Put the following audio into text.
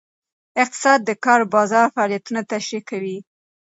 اقتصاد د کار بازار فعالیتونه تشریح کوي.